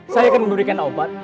saya akan menurunkan obat